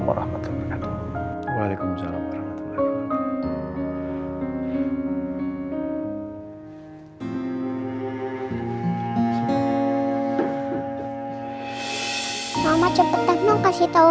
terima kasih ya